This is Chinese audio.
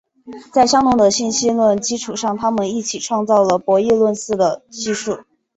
在香农的信息论基础上他们一起创造了博弈论似的技术。